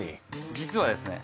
実はですね